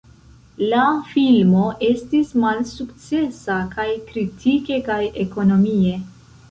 La filmo estis malsukcesa kaj kritike kaj ekonomie.